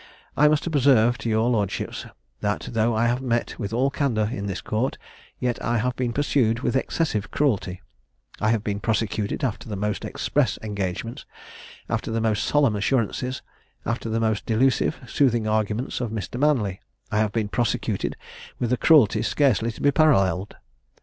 I must observe to your lordships, that though I have met with all candour in this court, yet I have been pursued with excessive cruelty; I have been prosecuted after the most express engagements, after the most solemn assurances, after the most delusive, soothing arguments of Mr. Manly; I have been prosecuted with a cruelty scarcely to be paralleled.